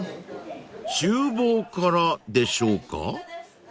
［厨房からでしょうか？］